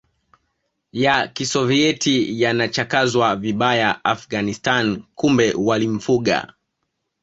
ya Kisovieti yanachakazwa vibaya Afghanistan kumbe walimfuga